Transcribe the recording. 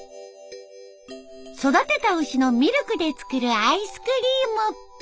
育てた牛のミルクで作るアイスクリーム。